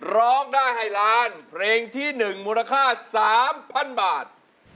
ร้องได้ให้ล้านเพลงที่๑มูลค่า๓๐๐๐บาท